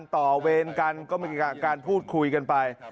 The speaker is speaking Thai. ต่อเวรกันการพูดคุยกันไป